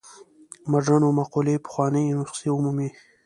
مډرنو مقولو پخوانۍ نسخې ومومي.